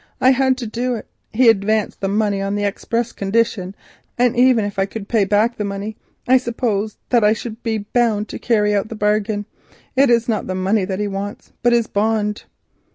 I had to do it—he advanced the money on the express condition, and even if I could pay back the money, I suppose that I should be bound to carry out the bargain. It is not the money which he wants but his bond."